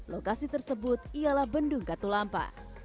lokasi tersebut ialah bendung katulampa